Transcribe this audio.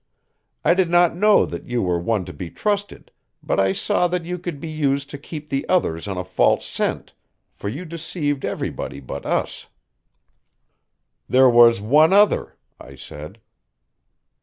I did not know that you were one to be trusted, but I saw that you could be used to keep the others on a false scent, for you deceived everybody but us." "There was one other," I said.